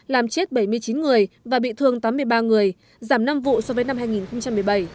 làm chết bảy mươi chín người và bị thương tám mươi ba người giảm năm vụ so với năm hai nghìn một mươi bảy